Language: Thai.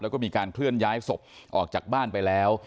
แล้วก็มีการเคลื่อนย้ายศพออกจากบ้านไปแล้ว